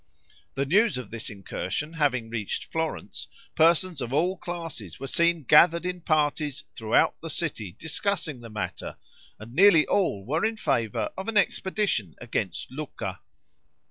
The news of this incursion having reached Florence, persons of all classes were seen gathered in parties throughout the city discussing the matter, and nearly all were in favor of an expedition against Lucca.